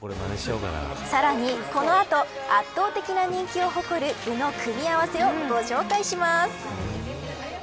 さらにこの後、圧倒的な人気を誇る具の組み合わせをご紹介します。